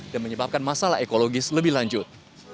dan menyebabkan masalah ekologis lebih lanjut